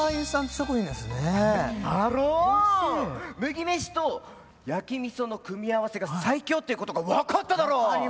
麦飯と焼き味噌の組み合わせが最強っていうことが分かっただろ？